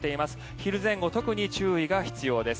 昼前後、特に注意が必要です。